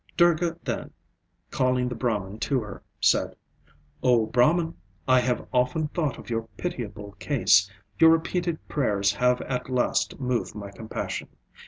Durga then, calling the Brahman to her, said, "O Brahman! I have often thought of your pitiable case. Your repeated prayers have at last moved my compassion.